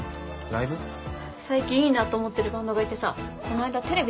最近いいなと思ってるバンドがいてさこないだテレビで流れてて。